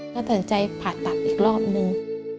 ก็ตัดสินใจผ่าตัดอีกรอบนึง